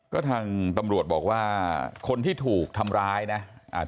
ก็ทางตำรวจบอกว่าคนที่ถูกทำร้ายนะอ่า